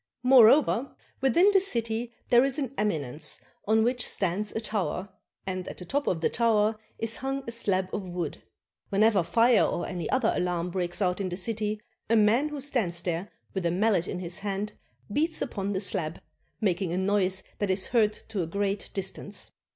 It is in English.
Moreover, within the city there is an eminence on which stands a tower, and at the top of the tower is hung a slab of wood. Whenever fire or any other alarm breaks out in the city, a man who stands there with a mallet in his hand beats upon the slab, making a noise that is heard to a great distance.